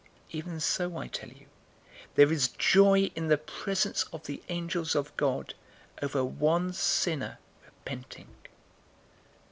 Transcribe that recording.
015:010 Even so, I tell you, there is joy in the presence of the angels of God over one sinner repenting."